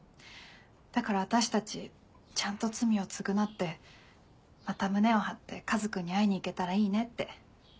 だから私たちちゃんと罪を償ってまた胸を張ってカズ君に会いに行けたらいいねって。